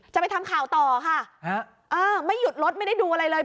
จะไปทำข่าวต่อค่ะเออไม่หยุดรถไม่ได้ดูอะไรเลย